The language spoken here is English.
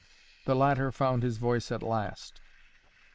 The latter found his voice at last.